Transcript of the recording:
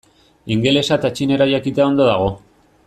Ingelesa eta txinera jakitea ondo dago.